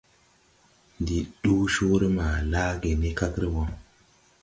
Ndi ɗuu coore maa laage ne kagre woo.